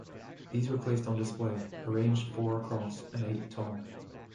These were placed on display, arranged four across and eight tall.